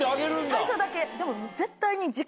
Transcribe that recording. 最初だけでも絶対に。